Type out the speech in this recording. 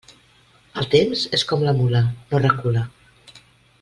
El temps és com la mula: no recula!